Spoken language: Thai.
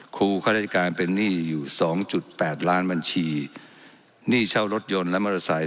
ข้าราชการเป็นหนี้อยู่สองจุดแปดล้านบัญชีหนี้เช่ารถยนต์และมอเตอร์ไซค